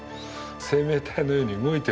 生命体のように動いてる。